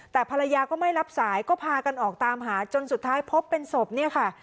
แต่ภรรยาก็ไม่รับสายก็พากันออกตามหาจนสุดท้ายพบเป็นศพเนี่ยค่ะ